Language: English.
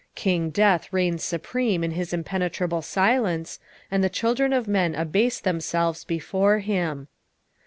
King Death reigns supreme in his impenetrable silence, and the children of men abase themselves before him.